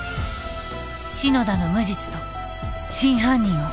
篠田の無実と真犯人を